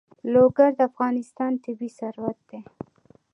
لوگر د افغانستان طبعي ثروت دی.